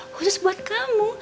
khusus buat kamu